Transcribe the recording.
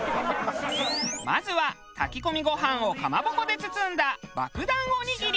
まずは炊き込みご飯をかまぼこで包んだばくだんおにぎり。